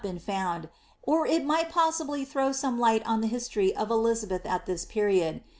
been found, or it might possibly throw some light on the history of Elizft Deth at this period.